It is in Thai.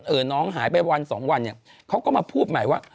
น้องหายไปวันสองวันเนี่ยเขาก็มาพูดใหม่ว่า